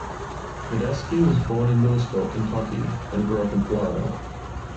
Medeski was born in Louisville, Kentucky, and grew up in Florida.